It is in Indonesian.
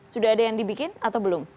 sudah ada yang dibikin atau belum